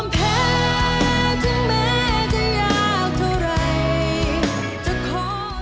พ่อคนเดียว